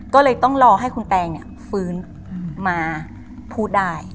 ก็เลยต้องรอให้คุณแตงฟื้นมาพูดได้